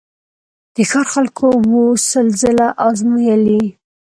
د ښار خلکو وو سل ځله آزمېیلی